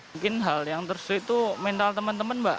mungkin hal yang tersebut itu mental teman teman